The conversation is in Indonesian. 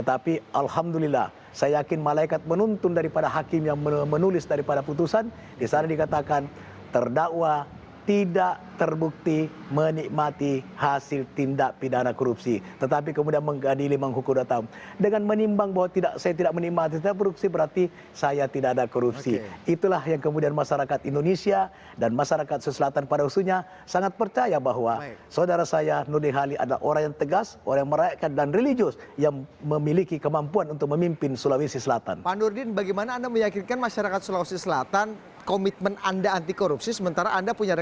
apa maksud anda dan siapa maksud anda dari pernyataan itu sebenarnya